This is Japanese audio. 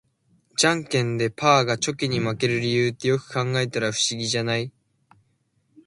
ジャンケンでパーがチョキに負ける理由って、よく考えたら不思議じゃない？